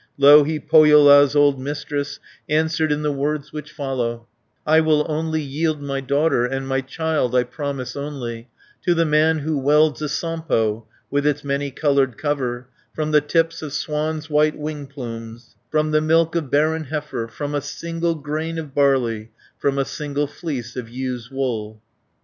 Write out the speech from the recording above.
Louhi, Pohjola's old Mistress, Answered in the words which follow: 340 "I will only yield my daughter, And my child I promise only To the man who welds a Sampo With its many coloured cover, From the tips of swan's white wing plumes, From the milk of barren heifer, From a single grain of barley, From a single fleece of ewe's wool."